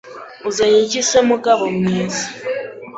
Uzanye iki se mugabo mwiza